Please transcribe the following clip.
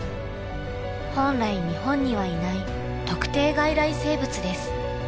本来日本にはいない特定外来生物です。